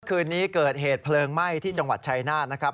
คืนนี้เกิดเหตุเพลิงไหม้ที่จังหวัดชายนาฏนะครับ